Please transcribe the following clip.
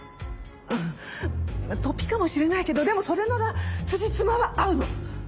とっぴかもしれないけどでもそれならつじつまは合うの！